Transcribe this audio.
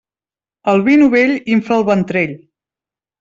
El vi novell infla el ventrell.